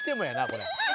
これ。